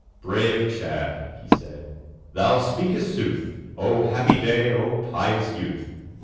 "Brave Chadd," he said, "thou speakest sooth! O happy day! O pious youth!